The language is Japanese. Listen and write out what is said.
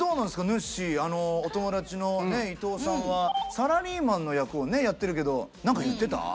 ぬっしーあのお友達のね伊東さんはサラリーマンの役をねやってるけど何か言ってた？